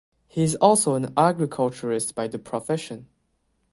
He is also an Agriculturist by the profession.